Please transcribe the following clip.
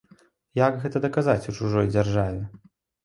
Як гэта даказаць у чужой дзяржаве?